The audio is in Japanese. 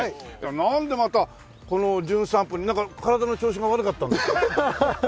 なんでまたこの『じゅん散歩』になんか体の調子が悪かったんですか？